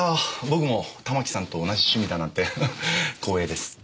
僕もたまきさんと同じ趣味だなんて光栄です。